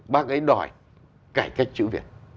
bác ấy đòi cải cách chữ viết